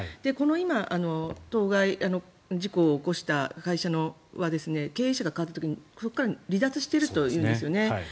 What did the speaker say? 今、当該事故を起こした会社は経営者が代わった時にそこから離脱しているというんですよね。